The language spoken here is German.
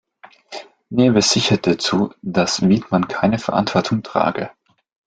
Nebe sicherte zu, dass Widmann keine Verantwortung trage.